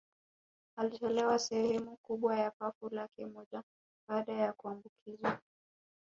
Alitolewa sehemu kubwa ya pafu lake moja baada ya kuambukizwa